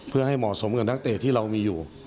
เพื่อให้เหมาะสมกับนักเตะที่เรามีอยู่